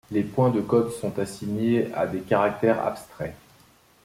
Les points de code sont assignés à des caractères abstraits.